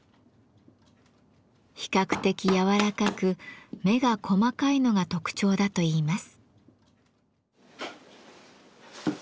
比較的やわらかく目が細かいのが特徴だといいます。